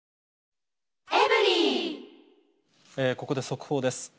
ここで速報です。